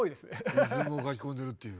リズムを書き込んでるっていう。